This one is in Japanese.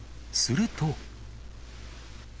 すると。